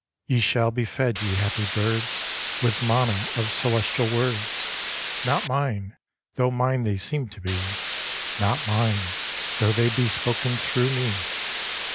'Ye shall be fed, ye happy birds, With manna of celestial words; Not mine, though mine they seem to be, Not mine, though they be spoken through me.